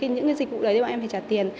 những cái dịch vụ đấy thì bọn em phải trả tiền